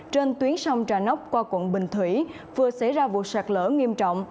trên tuyến sông trà nốc qua quận bình thủy vừa xảy ra vụ sạt lỡ nghiêm trọng